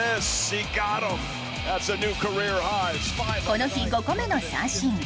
この日５個目の三振。